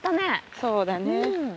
そうだね。